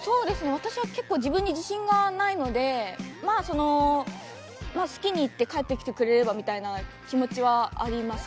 私は結構自分に自信がないのでまあその好きに行って帰ってきてくれればみたいな気持ちはあります。